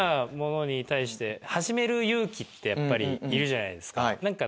そうですね。ってやっぱりいるじゃないですか。